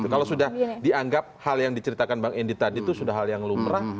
kalau sudah dianggap hal yang diceritakan bang endi tadi itu sudah hal yang lumrah